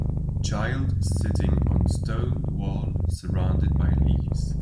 child sitting on stone wall surrounded by leaves